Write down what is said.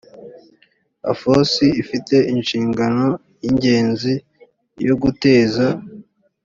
afos ifite inshingano y ingenzi yo guteza